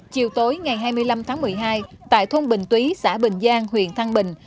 chiều tối ngày hai mươi năm tháng một mươi hai tại thôn bình túy xã bình giang huyện thăng bình